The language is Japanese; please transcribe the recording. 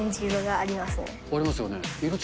ありますよね。